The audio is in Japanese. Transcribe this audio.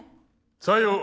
さよう。